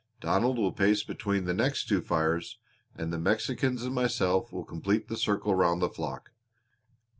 Donald will pace between the next two fires, and the Mexicans and myself will complete the circle round the flock.